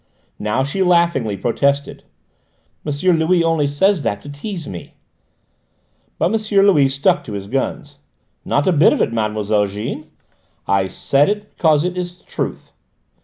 Now she laughingly protested. "M. Louis only says that to tease me." But M. Louis stuck to his guns. "Not a bit of it, Mademoiselle Jeanne: I said it because it is the truth.